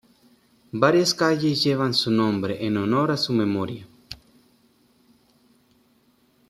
Varias calles llevan su nombre en honor a su memoria.